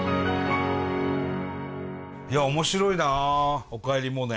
いや面白いな「おかえりモネ」。